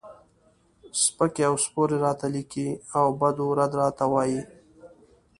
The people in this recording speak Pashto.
سپکې او سپورې راته لیکي او بد و رد راته وایي.